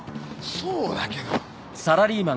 そうだけど。